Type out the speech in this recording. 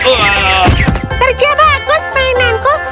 kerja bagus mainanku